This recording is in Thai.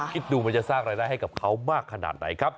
คิดดูมันจะสร้างรายได้ให้กับเขามากขนาดไหนครับ